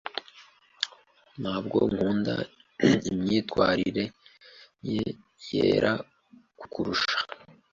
Ntabwo nkunda imyifatire ye yera-kukurusha.